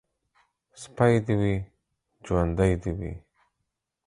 سپى دي وي ، ژوندى دي وي.